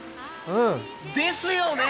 ですよね！